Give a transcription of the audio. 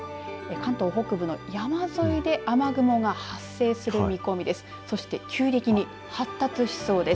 関東北部の山沿いで雨雲が発生する見込みです。